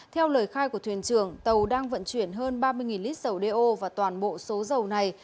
theo lời khai của thuyền trưởng tàu đang vận chuyển hơn ba mươi lít dầu đeo và toàn bộ số dầu này